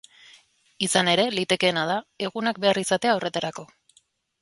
Izan ere, litekeena da egunak behar izatea horretarako.